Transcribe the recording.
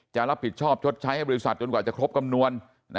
จะรับผิดชอบชดใช้ให้บริษัทจนกว่าจะครบคำนวณ